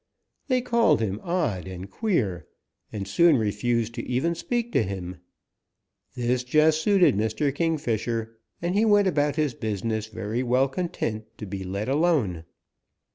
They called him odd and queer, and soon refused to even speak to him. This just suited Mr. Kingfisher, and he went about his business very well content to be let alone.